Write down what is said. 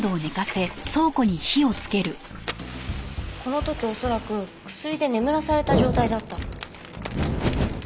この時恐らく薬で眠らされた状態だった。